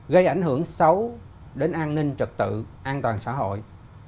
gây ảnh hưởng xấu đến an ninh trật tự an toàn xã hội